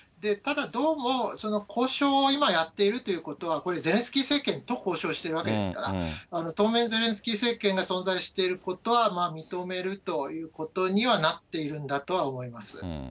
ただどうも、交渉を今やっているということは、これ、ゼレンスキー政権と交渉しているわけですから、当面、ゼレンスキー政権が存在していることは、認めるということにはなっているんだとは思います。